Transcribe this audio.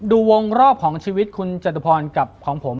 วงรอบของชีวิตคุณจตุพรกับของผม